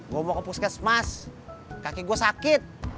gua mau ke puskesmas kaki gua sakit